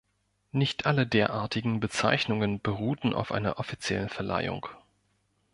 Nicht alle derartigen Bezeichnungen beruhten auf einer offiziellen Verleihung.